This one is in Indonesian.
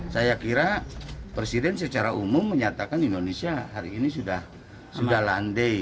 saya kira presiden secara umum menyatakan indonesia hari ini sudah landai